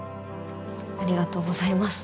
ありがとうございます。